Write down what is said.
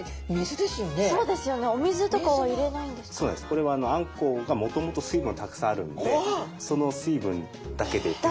これはあんこうがもともと水分はたくさんあるんでだけで！